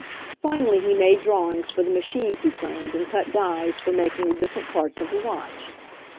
Finally he made drawings for the machines he planned and cut dies for making the different parts of the watch.